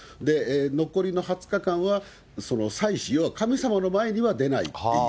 残りの２０日間は祭祀、要は神様の前には出ないっていう、